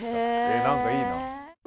何かいいな。